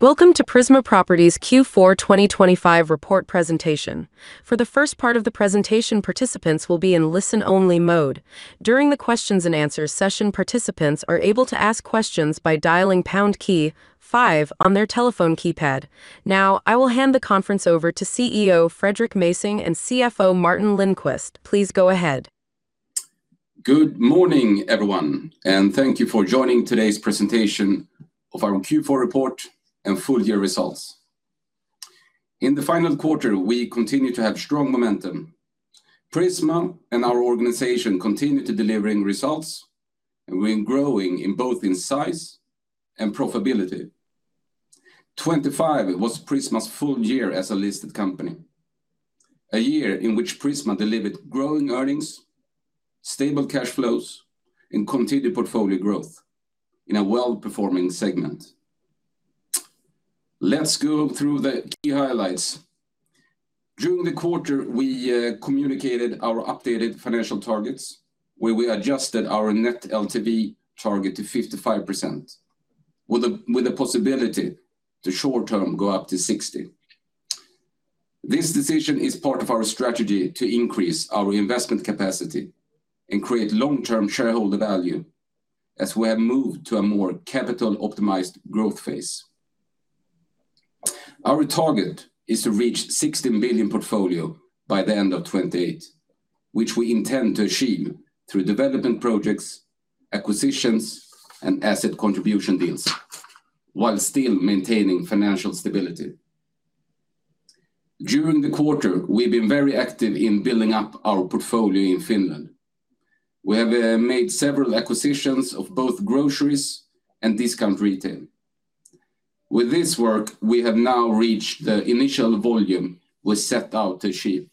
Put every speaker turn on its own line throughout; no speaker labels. Welcome to Prisma Properties Q4 2025 Report Presentation. For the first part of the presentation, participants will be in listen-only mode. During the questions and answers session, participants are able to ask questions by dialing pound key five on their telephone keypad. Now, I will hand the conference over to CEO Fredrik Mässing and CFO Martin Lindqvist. Please go ahead.
Good morning, everyone, and thank you for joining today's presentation of our Q4 report and full-year results. In the final quarter, we continued to have strong momentum. Prisma and our organization continued to delivering results, and we're growing in both in size and profitability. 2025 was Prisma's full year as a listed company, a year in which Prisma delivered growing earnings, stable cash flows, and continued portfolio growth in a well-performing segment. Let's go through the key highlights. During the quarter, we communicated our updated financial targets, where we adjusted our net LTV target to 55%, with a possibility to short term go up to 60%. This decision is part of our strategy to increase our investment capacity and create long-term shareholder value as we have moved to a more capital-optimized growth phase. Our target is to reach 16 billion portfolio by the end of 2028, which we intend to achieve through development projects, acquisitions, and asset contribution deals, while still maintaining financial stability. During the quarter, we've been very active in building up our portfolio in Finland. We have made several acquisitions of both groceries and discount retail. With this work, we have now reached the initial volume we set out to achieve.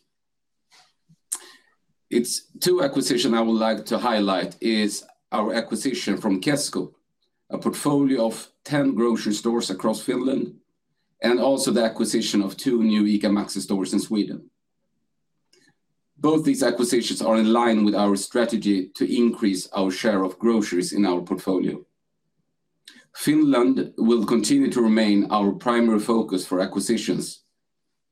It's two acquisitions I would like to highlight is our acquisition from Kesko, a portfolio of 10 grocery stores across Finland, and also the acquisition of two new ICA Maxi stores in Sweden. Both these acquisitions are in line with our strategy to increase our share of groceries in our portfolio. Finland will continue to remain our primary focus for acquisitions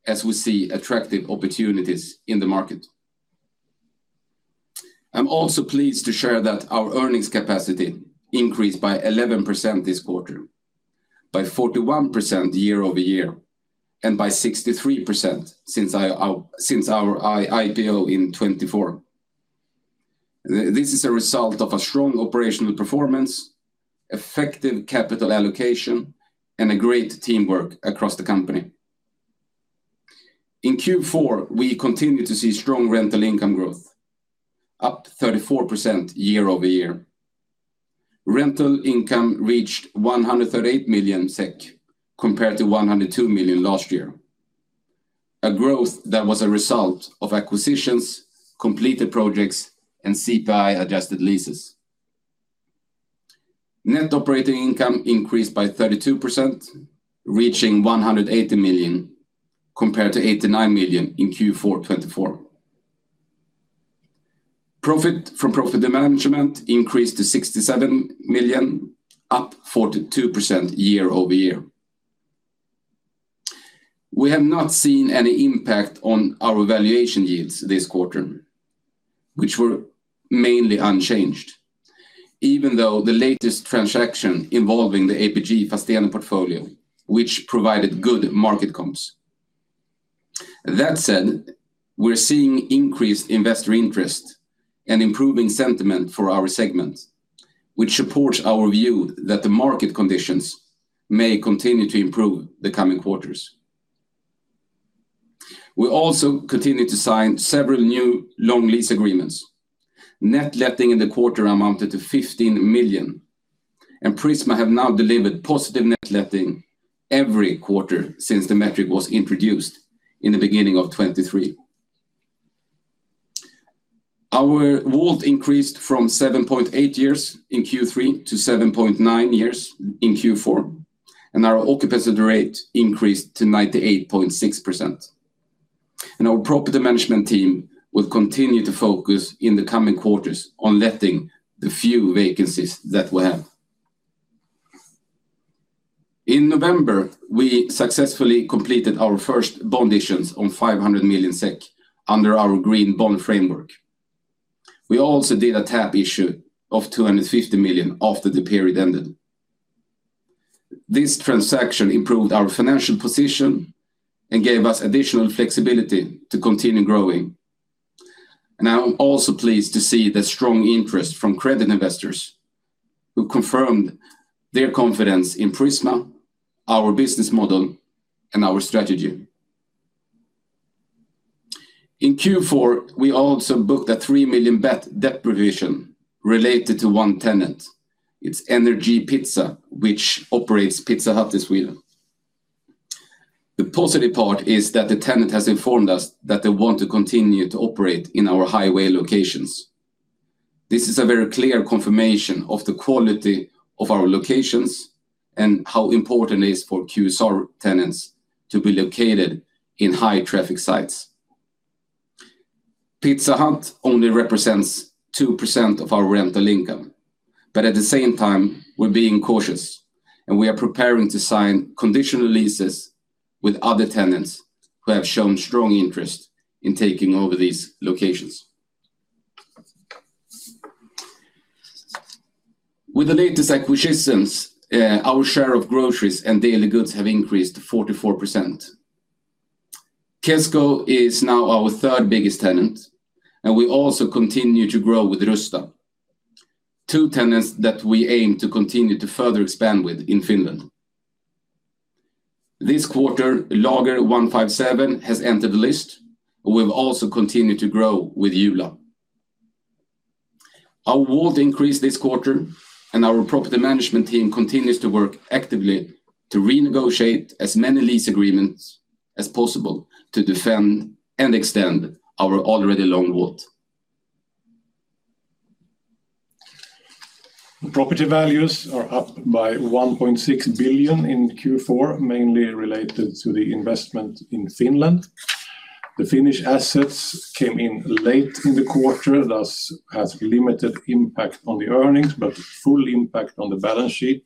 as we see attractive opportunities in the market. I'm also pleased to share that our earnings capacity increased by 11% this quarter, by 41% year-over-year, and by 63% since our IPO in 2024. This is a result of a strong operational performance, effective capital allocation, and great teamwork across the company. In Q4, we continued to see strong rental income growth, up 34% year-over-year. Rental income reached 138 million SEK, compared to 102 million last year, a growth that was a result of acquisitions, completed projects, and CPI-adjusted leases. Net operating income increased by 32%, reaching 180 million, compared to 89 million in Q4 2024. Profit from property management increased to 67 million, up 42% year-over-year. We have not seen any impact on our valuation yields this quarter, which were mainly unchanged, even though the latest transaction involving the APG Fastigheter portfolio, which provided good market comps. That said, we're seeing increased investor interest and improving sentiment for our segments, which supports our view that the market conditions may continue to improve the coming quarters. We also continued to sign several new long lease agreements. Net letting in the quarter amounted to 15 million, and Prisma have now delivered positive net letting every quarter since the metric was introduced in the beginning of 2023. Our WAULT increased from 7.8 years in Q3 to 7.9 years in Q4, and our occupancy rate increased to 98.6%. Our property management team will continue to focus in the coming quarters on letting the few vacancies that we have. In November, we successfully completed our first bond issuance on 500 million SEK under our green bond framework. We also did a tap issue of 250 million after the period ended. This transaction improved our financial position and gave us additional flexibility to continue growing. I'm also pleased to see the strong interest from credit investors, who confirmed their confidence in Prisma, our business model, and our strategy. In Q4, we also booked a 3 million bad-debt provision related to one tenant. It's NRJ Pizza, which operates Pizza Hut in Sweden. The positive part is that the tenant has informed us that they want to continue to operate in our highway locations. This is a very clear confirmation of the quality of our locations and how important it is for QSR tenants to be located in high-traffic sites. Pizza Hut only represents 2% of our rental income, but at the same time, we're being cautious, and we are preparing to sign conditional leases with other tenants who have shown strong interest in taking over these locations. With the latest acquisitions, our share of groceries and daily goods have increased to 44%. Kesko is now our third biggest tenant, and we also continue to grow with Rusta, two tenants that we aim to continue to further expand with in Finland. This quarter, Lager 157 has entered the list, and we've also continued to grow with Jula. Our WAULT increased this quarter, and our property management team continues to work actively to renegotiate as many lease agreements as possible to defend and extend our already long WAULT.
The property values are up by 1.6 billion in Q4, mainly related to the investment in Finland. The Finnish assets came in late in the quarter, thus has limited impact on the earnings, but full impact on the balance sheet.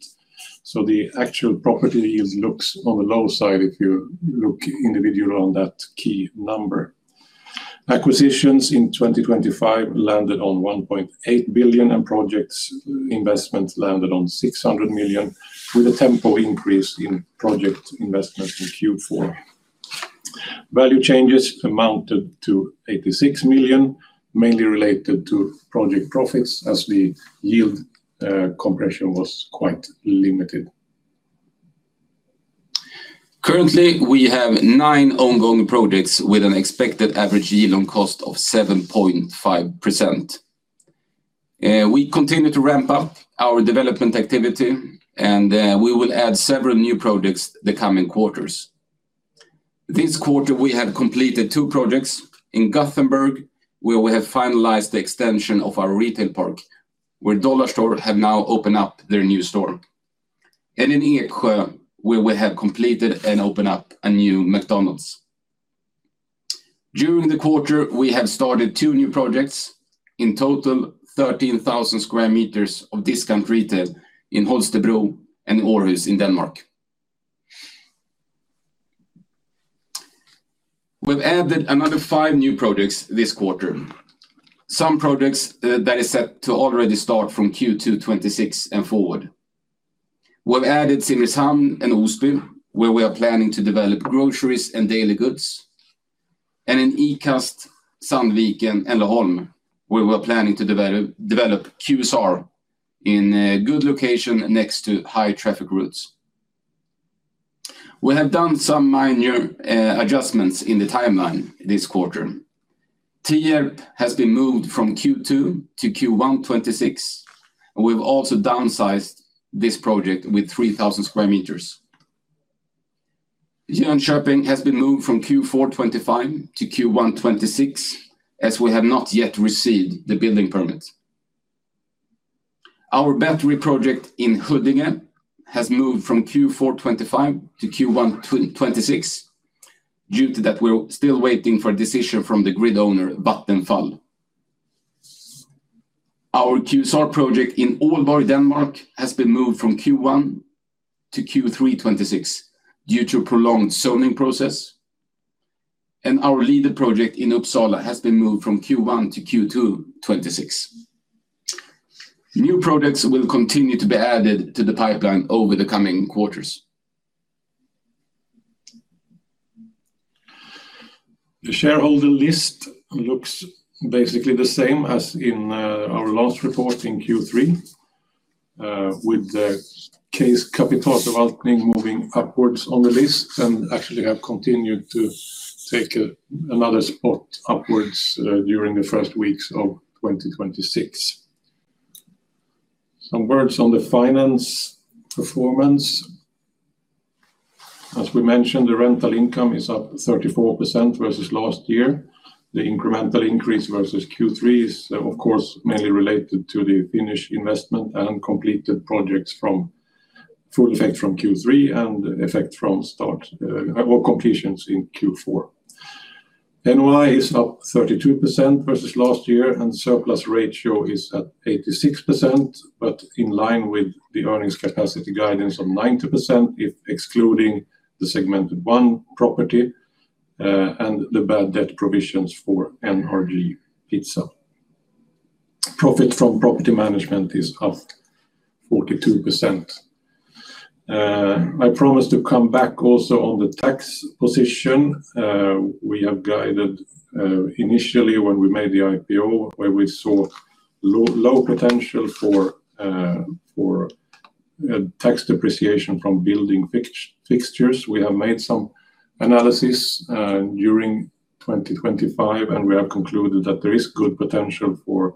So the actual property yield looks on the low side if you look individual on that key number. Acquisitions in 2025 landed on 1.8 billion, and projects investments landed on 600 million, with a tempo increase in project investment in Q4. Value changes amounted to 86 million, mainly related to project profits, as the yield, compression was quite limited.
Currently, we have nine ongoing projects with an expected average yield on cost of 7.5%. We continue to ramp up our development activity, and we will add several new projects the coming quarters. This quarter, we have completed two projects in Gothenburg, where we have finalized the extension of our retail park, where Dollarstore have now opened up their new store. In Eksjö, where we have completed and opened up a new McDonald's. During the quarter, we have started two new projects, in total, 13,000 square meters of discount retail in Holstebro and Aarhus in Denmark. We've added another five new projects this quarter. Some projects, that is set to already start from Q2 2026 and forward. We've added Simrishamn and Osby, where we are planning to develop groceries and daily goods, and in Ikast, Sandviken, and Laholm, where we are planning to develop QSR in a good location next to high-traffic routes. We have done some minor adjustments in the timeline this quarter. Tierp has been moved from Q2 to Q1 2026, and we've also downsized this project with 3,000 square meters. Jönköping has been moved from Q4 2025 to Q1 2026, as we have not yet received the building permit. Our battery project in Huddinge has moved from Q4 2025 to Q1 2026, due to that, we're still waiting for a decision from the grid owner, Vattenfall. Our QSR project in Aalborg, Denmark, has been moved from Q1 to Q3 2026 due to prolonged zoning process, and our Lidl project in Uppsala has been moved from Q1 to Q2 2026. New projects will continue to be added to the pipeline over the coming quarters.
The shareholder list looks basically the same as in our last report in Q3, with the KS Kapitalutveckling moving upwards on the list and actually have continued to take another spot upwards during the first weeks of 2026. Some words on the financial performance. As we mentioned, the rental income is up 34% versus last year. The incremental increase versus Q3 is, of course, mainly related to the Finnish investment and completed projects from full effect from Q3 and effect from start or completions in Q4. NOI is up 32% versus last year, and surplus ratio is at 86%, but in line with the earnings capacity guidance of 90%, if excluding the segment one property and the bad debt provisions for NRJ Pizza. Profit from property management is up 42%. I promise to come back also on the tax position. We have guided initially when we made the IPO, where we saw low, low potential for tax depreciation from building fixtures. We have made some analysis during 2025, and we have concluded that there is good potential for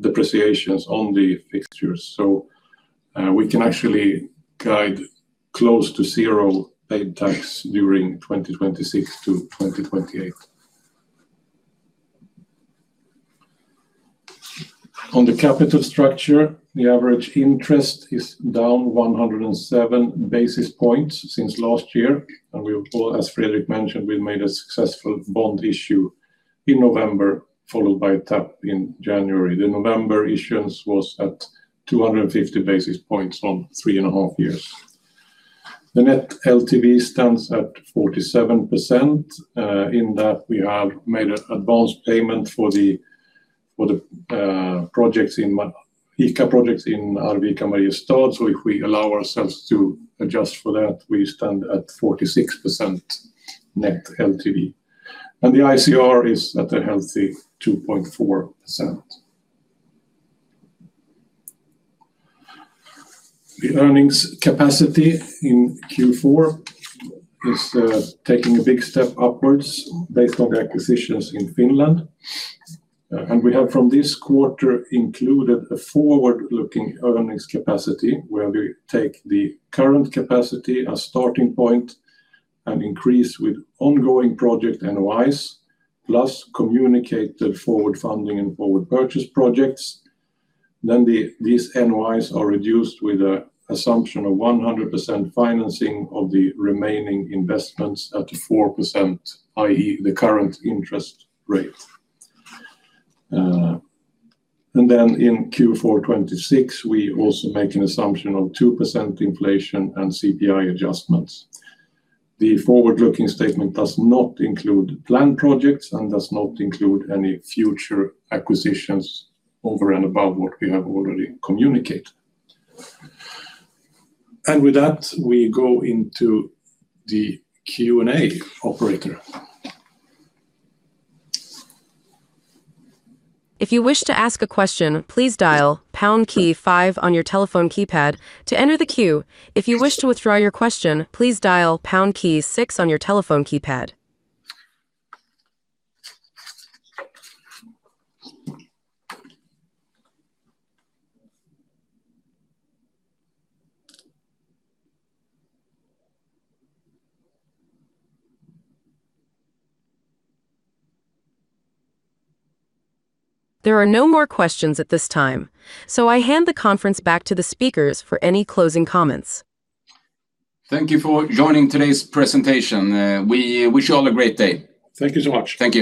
depreciations on the fixtures. So, we can actually guide close to zero paid tax during 2026 to 2028. On the capital structure, the average interest is down 107 basis points since last year, and we have, well, as Fredrik mentioned, we made a successful bond issue in November, followed by a tap in January. The November issuance was at 250 basis points on three and a half years. The net LTV stands at 47%, in that we have made an advanced payment for the ICA projects in Arvika, Mariestad. So if we allow ourselves to adjust for that, we stand at 46% net LTV, and the ICR is at a healthy 2.4%. The earnings capacity in Q4 is taking a big step upwards based on the acquisitions in Finland. And we have, from this quarter, included a forward-looking earnings capacity, where we take the current capacity as starting point and increase with ongoing project NOIs, plus communicated forward funding and forward purchase projects. Then these NOIs are reduced with an assumption of 100% financing of the remaining investments at 4%, i.e., the current interest rate. And then in Q4 2026, we also make an assumption of 2% inflation and CPI adjustments. The forward-looking statement does not include planned projects and does not include any future acquisitions over and above what we have already communicated. And with that, we go into the Q&A. Operator?
If you wish to ask a question, please dial pound key five on your telephone keypad to enter the queue. If you wish to withdraw your question, please dial pound key six on your telephone keypad. There are no more questions at this time, so I hand the conference back to the speakers for any closing comments.
Thank you for joining today's presentation. We wish you all a great day.
Thank you so much.
Thank you.